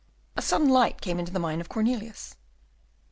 A sudden light came into the mind of Cornelius.